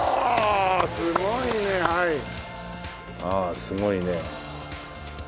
ああすごいね。